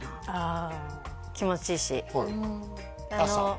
あ気持ちいいし朝？